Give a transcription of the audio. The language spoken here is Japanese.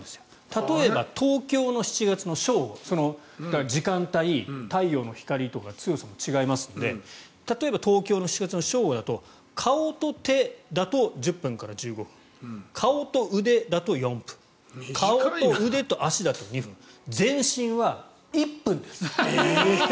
例えば、東京の７月の正午だから、時間帯太陽の光とか強さも違いますので例えば東京、７月の正午だと顔と手だと１０分から１５分顔と腕だと４分顔と腕と足だと２分全身は１分です。